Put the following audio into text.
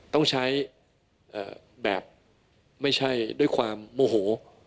ต้องใช้แบบไม่ใช่ด้วยความโมโห